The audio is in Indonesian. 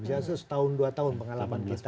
biasanya setahun dua tahun pengalaman kita